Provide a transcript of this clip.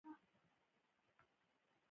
کانګریس د بشپړې ازادۍ غوښتنه وکړه.